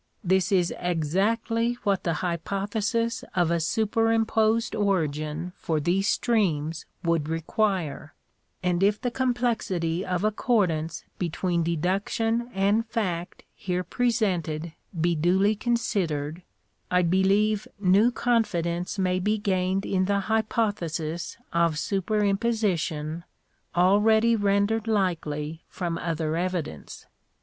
'This is exactly what the hypothe sis of a superimposed origin for these streams would require ; and if the complexity of accordance between deduction and fact here presented be duly considered, I believe new confidence may be gained in the hypothesis of superimposition, already rendered likely from other evidence.